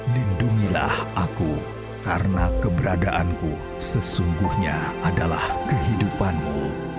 lindungilah aku karena keberadaanku sesungguhnya adalah kehidupanmu